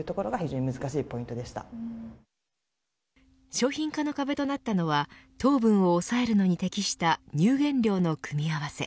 商品化の壁となったのは糖分を抑えるのに適した乳原料の組み合わせ。